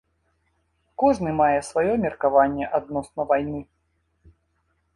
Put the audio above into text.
Кожны мае сваё меркаванне адносна вайны.